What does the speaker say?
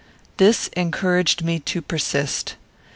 This encouraged me to persist.